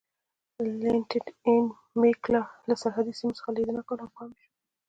لیتننت اېن میکلر له سرحدي سیمو څخه لیدنه کوله او پام یې شو.